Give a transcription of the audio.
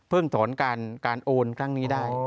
เพิ่งถอนการโอนข้างนี้ได้